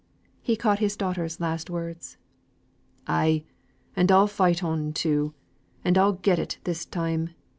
He caught his daughter's last words. "Ay! and I'll fight on too; and I'll got it this time.